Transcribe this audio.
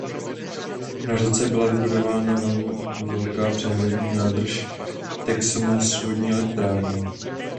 Na řece byla vybudována velká přehradní nádrž Texoma s vodní elektrárnou.